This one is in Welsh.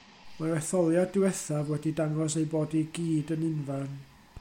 Mae'r etholiad diwethaf wedi dangos eu bod i gyd yn unfarn.